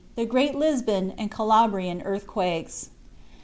The Great Lisbon and Calabrian Earthquakes.